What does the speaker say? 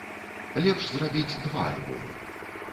Лепш зрабіць два альбомы.